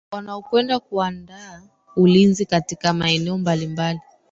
wanaokwenda kuaanda ulinzi katika maeneo mbalimbali